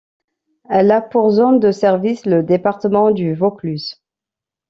Elle a pour zone de service le département du Vaucluse.